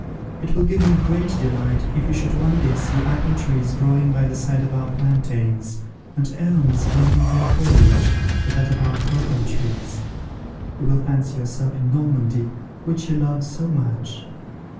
It will give me great delight if you should one day see apple trees growing by the side of our plantains, and elms blending their foliage with that of our cocoa trees. You will fancy yourself in Normandy, which you love so much.